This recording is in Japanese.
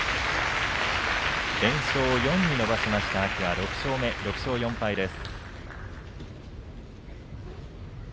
連勝を４に伸ばしました天空海６勝目、６勝４敗です。